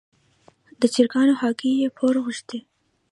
د چرګانو هګۍ یې پور غوښتې.